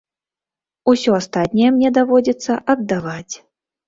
Усё астатняе мне даводзіцца аддаваць.